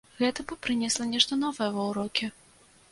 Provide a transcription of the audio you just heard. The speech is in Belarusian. Гэта б прынесла нешта новае ва ўрокі.